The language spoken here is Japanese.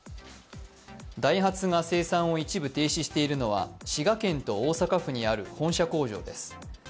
ダイハツが生産を一部停止しているのは滋賀県と大阪府にある本社工場です。